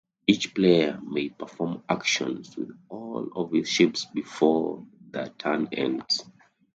Each player may perform actions with all of his ships before the turn ends.